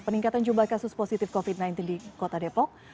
peningkatan jumlah kasus positif covid sembilan belas di kota depok